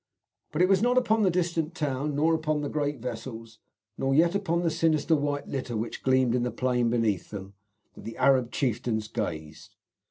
But it was not upon the distant town, nor upon the great vessels, nor yet upon the sinister white litter which gleamed in the plain beneath them, that the Arab chieftains gazed.